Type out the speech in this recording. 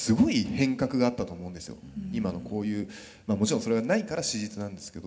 今のこういうもちろんそれはないから史実なんですけど。